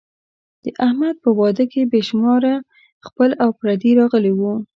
د احمد په واده کې بې شماره خپل او پردي راغلي وو.